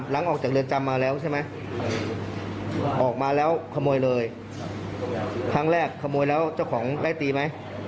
หลังจากออกจากเรือนจำมาแล้วใช่ไหมออกมาแล้วขโมยเลยครั้งแรกขโมยแล้วเจ้าของไล่ตีไหม